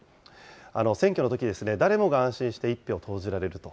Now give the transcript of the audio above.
選挙のとき、誰もが安心して１票を投じられると。